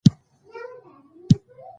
لمونځ د انسان زړه ته سکون او راحت ورکوي.